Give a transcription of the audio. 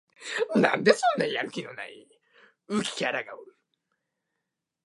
今この手に入れたんだよ